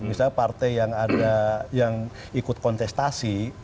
misalnya partai yang ikut kontestasi